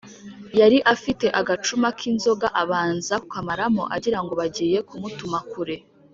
yari afite agacuma k’inzoga abanza kukamaramo agira ngo bagiye kumutuma kure.